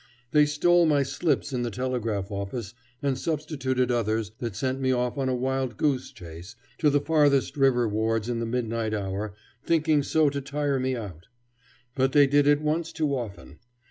They stole my slips in the telegraph office and substituted others that sent me off on a wild goose chase to the farthest river wards in the midnight hour, thinking so to tire me out. But they did it once too often.